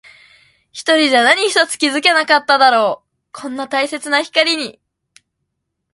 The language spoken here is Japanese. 一人じゃ何一つ気づけなかっただろう。こんなに大切な光に。